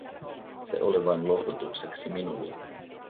Se oli vain lohdutukseksi minulle.